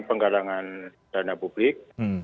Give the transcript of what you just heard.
penggalangan dana publik